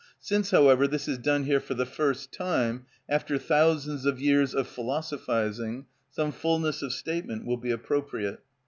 Since, however, this is done here for the first time, after thousands of years of philosophising, some fulness of statement will be appropriate.